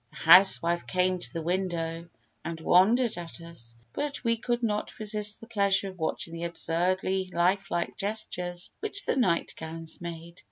The housewife came to the window and wondered at us, but we could not resist the pleasure of watching the absurdly life like gestures which the night gowns made.